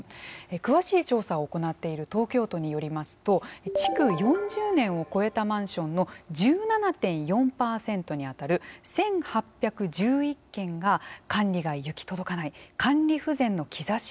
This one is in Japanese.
詳しい調査を行っている東京都によりますと築４０年を超えたマンションの１７．４％にあたる１，８１１件が管理が行き届かない管理不全の兆しがあるということなんですね。